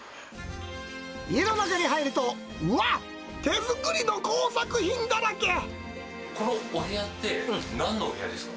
家の中に入ると、うわっ、このお部屋って、なんのお部屋ですか？